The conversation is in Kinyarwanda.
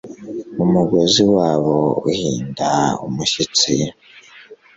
Umugozi wabo uhinda umushyitsi